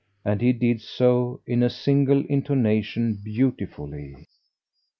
And he did so, in a single intonation, beautifully.